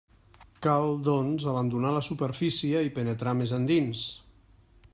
Cal, doncs, abandonar la superfície i penetrar més endins.